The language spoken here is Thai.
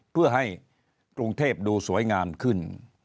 เพื่อให้กรุงเทพดูสวยงามขึ้น